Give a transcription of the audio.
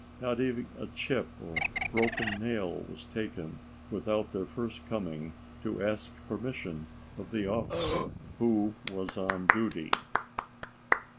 Not even a chip or broken nail was taken without their first coming to ask permission of the officer who was on duty!"